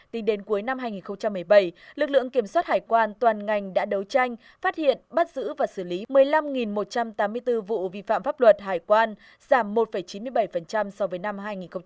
tính đến cuối năm hai nghìn một mươi bảy lực lượng kiểm soát hải quan toàn ngành đã đấu tranh phát hiện bắt giữ và xử lý một mươi năm một trăm tám mươi bốn vụ vi phạm pháp luật hải quan giảm một chín mươi bảy so với năm hai nghìn một mươi bảy